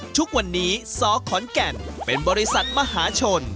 ทุกวันนี้สขอนแก่นเป็นบริษัทมหาชน